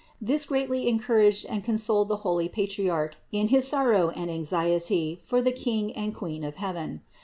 This greatly encouraged and consoled the holy Patriarch in his sorrow and anxiety for the King and Queen of heaven.